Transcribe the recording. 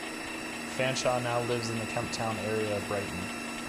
Fanshawe now lives in the Kemp Town area of Brighton.